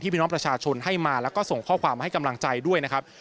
พี่น้องประชาชนให้มาแล้วก็ส่งข้อความมาให้กำลังใจด้วยนะครับ